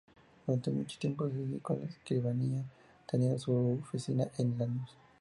Durante mucho tiempo se dedicó a la escribanía, teniendo su oficina en Lanús.